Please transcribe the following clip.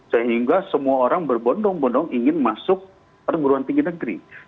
sehingga semua orang berbondong bondong ingin masuk perguruan tinggi negeri